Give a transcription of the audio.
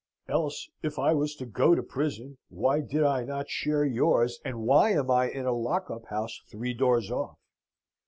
Else, if I was to go to prison, why did I not share yours, and why am I in a lock up house three doors off?